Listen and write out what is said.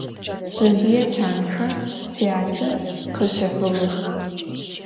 Şsezjıê çanxer syate khışefığex.